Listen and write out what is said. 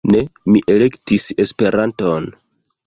Ne mi elektis Esperanton.